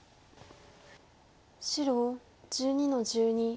白１２の十二ツケ。